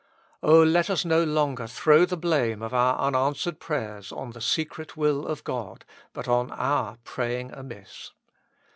O let us no longer throw the blame of our unanswered prayers on the secret will of God, but on our own praying amiss.